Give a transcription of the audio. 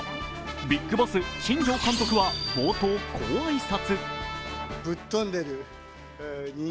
ビッグボス・新庄監督は冒頭、こう挨拶。